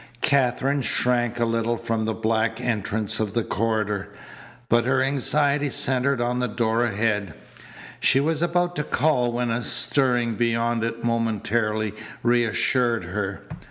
Katherine shrank a little from the black entrance of the corridor, but her anxiety centred on the door ahead. She was about to call when a stirring beyond it momentarily reassured her.